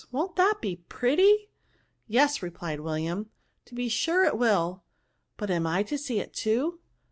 "Won't that be pretty ?"" Yes," replied William, " to be sure it will ; but am I to see it too